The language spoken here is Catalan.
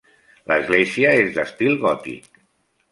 L'església és d'estil gòtic.